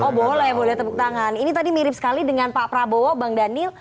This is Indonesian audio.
oh boleh boleh tepuk tangan ini tadi mirip sekali dengan pak prabowo bang daniel